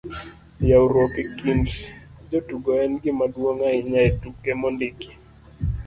ywaruok e kind jotugo en gimaduong' ahinya e tuke mondiki